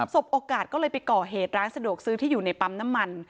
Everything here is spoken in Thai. สบโอกาสก็เลยไปก่อเหตุร้านสะดวกซื้อที่อยู่ในปั๊มน้ำมัน